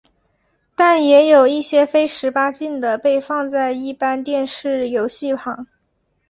但也有一些非十八禁的被放在一般电视游戏旁。